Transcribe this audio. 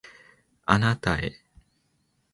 あなたへ